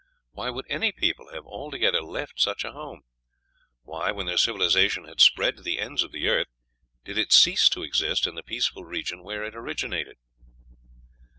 Why would any people have altogether left such a home? Why, when their civilization had spread to the ends of the earth, did it cease to exist in the peaceful region where it originated?